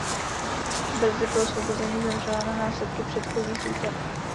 Brzy po osvobození zemřela na následky předchozích útrap.